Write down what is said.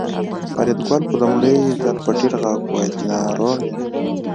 فریدګل په لومړي ځل په ټیټ غږ وویل چې ناروغ یم